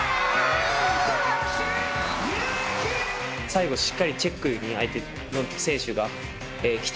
最後しっかりチェックに相手の選手が来ていたので。